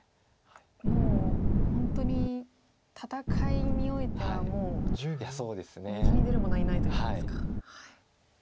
もう本当に戦いにおいてはもう右に出る者はいないといいますか。